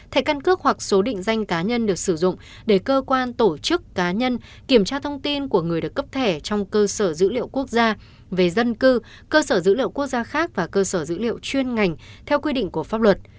thẻ căn cước hoặc số định danh cá nhân được sử dụng để cơ quan tổ chức cá nhân kiểm tra thông tin của người được cấp thẻ trong cơ sở dữ liệu quốc gia về dân cư cơ sở dữ liệu quốc gia khác và cơ sở dữ liệu chuyên ngành theo quy định của pháp luật